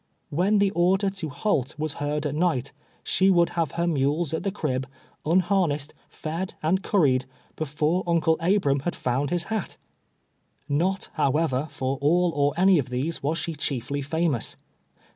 When the order to halt was heard at night, she would have her mules at the crib, unharnessed, fed and curried, before uncle Abram had found his hat. Not, how ever, for all or any of these, was she chiefly famous.